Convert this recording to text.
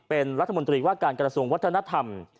เป็นรัฐมนตรีว่าการกระทรวงวัฒนธรรม